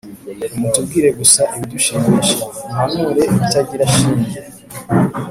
nimutubwire gusa ibidushimisha, muhanure ibitagira shinge.